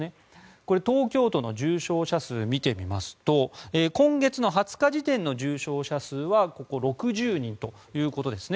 これは東京都の重症者数を見てみますと今月の２０日時点の重症者数は６０人ということですね。